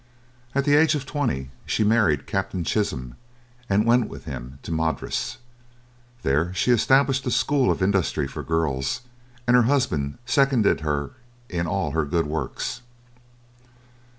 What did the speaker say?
At the age of twenty she married Captain Chisholm, and went with him to Madras. There she established a School of Industry for Girls, and her husband seconded her in all her good works.